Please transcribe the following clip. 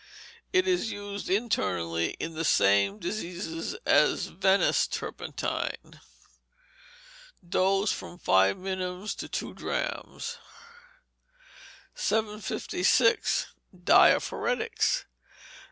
It is used internally in the same diseases as Venice turpentine. Dose, from five minims to two drachms. 756. Diaphoretics.